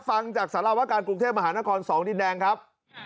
ฟังจากสารวการกรุงเทพมหานคร๒ดินแดงครับ